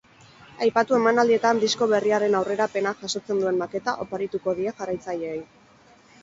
Aipatu emanaldietan disko berriaren aurrerapena jasotzen duen maketa oparituko die jarraitzaileei.